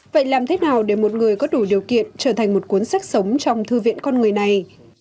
vậy làm thế nào để một người có đủ điều kiện trở thành một cuốn sách sống trong thư viện con người này